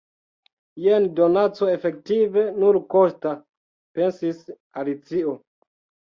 "Jen donaco efektive nulkosta!" pensis Alicio.